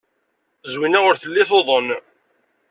Zwina ur telli tuḍen.